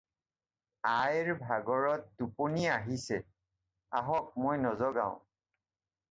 আইৰ ভাগৰত টোপনি আহিছে, আহক, মই নজগাওঁ।